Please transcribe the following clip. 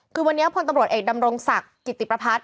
คือวันนี้พลตำรวจเอกดำรงศักดิ์กิติประพัฒน์